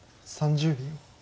３０秒。